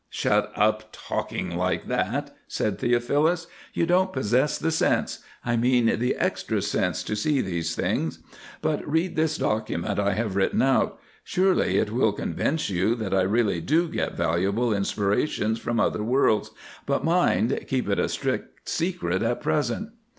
"Shut up talking like that," said Theophilus, "you don't possess the sense—I mean the extra sense to see these beings; but read this document I have written out. Surely it will convince you that I really do get valuable inspirations from other worlds, but, mind, keep it a strict secret at present."